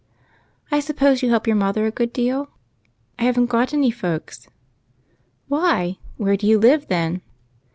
"I suppose you help your mother a good deal?" " I have n't got any folks." " Why, where do you live, then